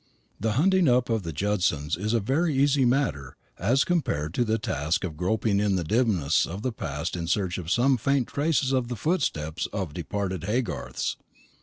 The hunting up of the Judsons is a very easy matter as compared to the task of groping in the dimness of the past in search of some faint traces of the footsteps of departed Haygarths.